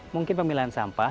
mungkin pemilahan sampah